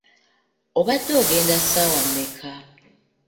Obadde ogenda ssaawa mmeka?